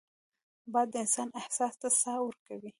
باد د انسان احساس ته ساه ورکوي